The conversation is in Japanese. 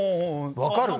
分かる？